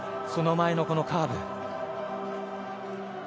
その前のカーブ。